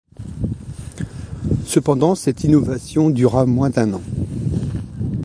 Cependant cette innovation dura moins d'un an.